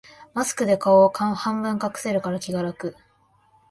マスクで顔を半分隠せるから気が楽